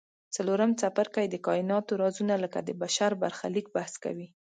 څلورم څپرکی د کایناتو رازونه لکه د بشر برخلیک بحث کوي.